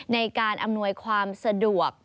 ในการอำนวยความสะดวก